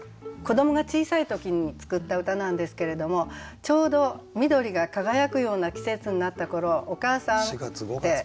子どもが小さい時に作った歌なんですけれどもちょうど緑が輝くような季節になった頃「お母さん」って。